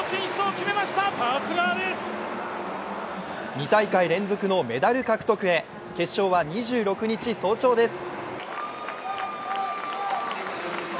２大会連続のメダル獲得へ決勝は２６日早朝です。